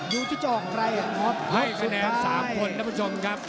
ให้คะแนน๓คนนะคุณผู้ชมครับ